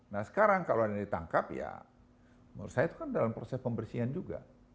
nah sekarang kalau ada yang ditangkap ya menurut saya itu kan dalam proses pembersihan juga